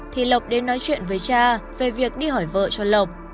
thì lộc đến nói chuyện với cha về việc đi hỏi vợ cho lộc